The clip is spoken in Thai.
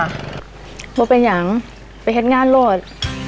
ไม่เป็นอย่างไปเห็นงานรวด